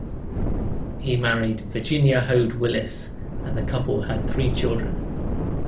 He married Virginia Hode Willis and the couple had three children.